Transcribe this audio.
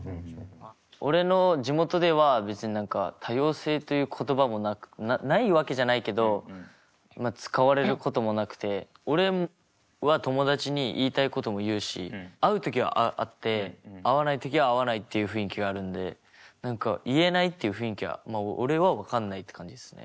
俺の地元では別に何か多様性という言葉もなくないわけじゃないけどまあ使われることもなくて俺は友達に言いたいことも言うし合う時は合って合わない時は合わないっていう雰囲気があるので何か言えないっていう雰囲気は俺は分かんないって感じですね。